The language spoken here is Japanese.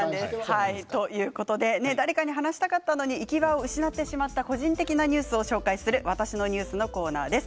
誰かに話したかったけれども行き場を失ってしまった個人的なニュースを紹介する「わたしのニュース」のコーナーです。